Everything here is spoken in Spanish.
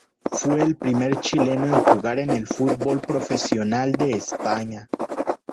Fue el primer chileno en jugar en el fútbol profesional de España.